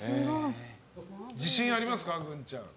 自信ありますか、グンちゃん。